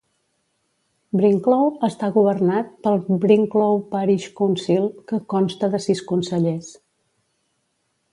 Brinklow està governat pel Brinklow Parish Council, que consta de sis consellers.